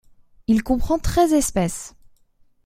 Il comprend treize espèces.